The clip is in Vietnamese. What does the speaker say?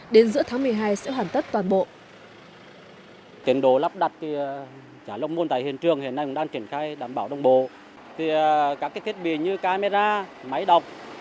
đến giữa tháng một mươi hai sẽ hoàn tất toàn bộ